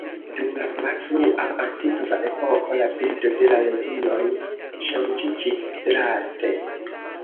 Dum la malfrua antikva epoko la bildo de la legioj ŝanĝiĝis draste.